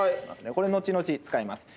これ後々使います。